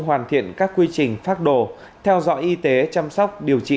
hoàn thiện các quy trình phát đồ theo dõi y tế chăm sóc điều trị